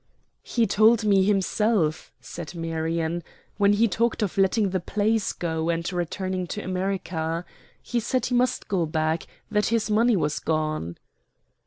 "He told me himself," said Marion, "when he talked of letting the plays go and returning to America. He said he must go back; that his money was gone."